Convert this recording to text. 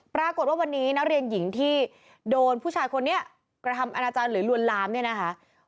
ปรากฏว่าวันนี้นักเรียนหญิงที่โดนผู้ชายคนนี้กระทำอนาจารย์หรือลวนลามเนี่ยนะคะ